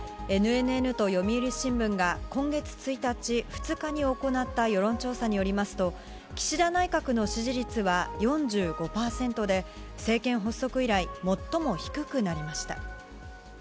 ＮＮＮと読売新聞が、今月１日、２日に行った世論調査によりますと、岸田内閣の支持率は４５％で、政権発足以来、最も低くなりました。